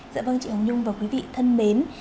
dạ vâng chị hồng nhung và quý vị thân mến